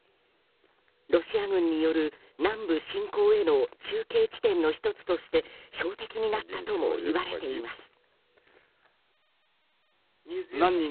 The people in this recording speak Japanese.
ロシア軍による南部侵攻への中継地点の１つとして標的になったともいわれています。